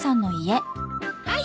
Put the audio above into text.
はい。